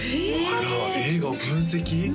あら映画を分析？